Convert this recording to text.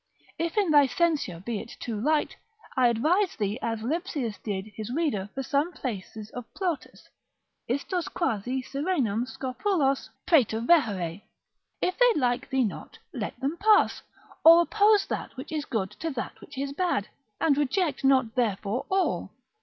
If in thy censure it be too light, I advise thee as Lipsius did his reader for some places of Plautus, istos quasi Sirenum scopulos praetervehare, if they like thee not, let them pass; or oppose that which is good to that which is bad, and reject not therefore all.